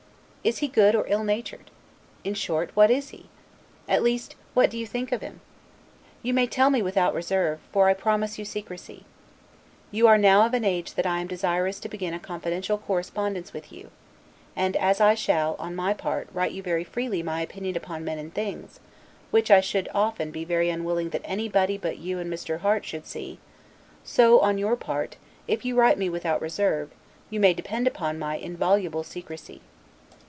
Is he good or ill natured? In short, What is he? at least, what do you think him? You may tell me without reserve, for I promise you secrecy. You are now of an age that I am desirous to begin a confidential correspondence with you; and as I shall, on my part, write you very freely my opinion upon men and things, which I should often be very unwilling that anybody but you and Mr. Harte should see, so, on your part, if you write me without reserve, you may depend upon my inviolable secrecy.